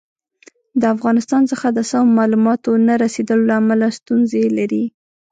د افغانستان څخه د سمو معلوماتو نه رسېدلو له امله ستونزې لري.